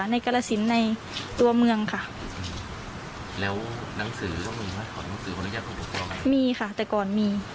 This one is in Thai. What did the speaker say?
ในกรสินในตัวเมืองค่ะแล้วหนังสือมีค่ะแต่ก่อนมี